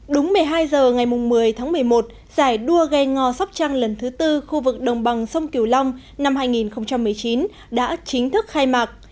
đúng một mươi hai h ngày một mươi tháng một mươi một giải đua ghe ngò sóc trăng lần thứ tư khu vực đồng bằng sông kiều long năm hai nghìn một mươi chín đã chính thức khai mạc